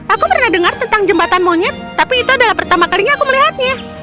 aku pernah dengar tentang jembatan monyet tapi itu adalah pertama kalinya aku melihatnya